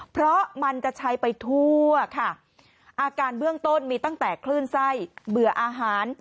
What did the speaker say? เพราะมันจะใช้ไปทั่วค่ะอาการเบื้องต้นมีตั้งแต่คลื่นไส้เบื่ออาหาร